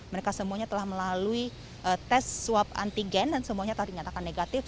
mereka semuanya telah melalui tes swab antigen dan semuanya telah dinyatakan negatif